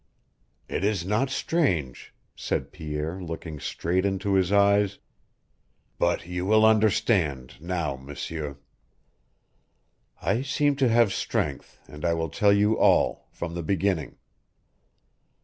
"It is not strange," said Pierre, looking straight into his eyes. "But you will understand now M'sieur. I seem to have strength, and I will tell you all from the beginning.